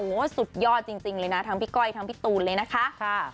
โอ้โหสุดยอดจริงเลยนะทั้งพี่ก้อยทั้งพี่ตูนเลยนะคะ